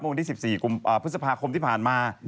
ในวันที่๑๔กลุ่มพฤษภาคมที่ผ่านมา